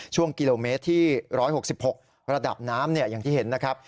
ช่วงกิโลเมตรที่๑๖๖ระดับน้ำอย่างที่เห็นนะครับ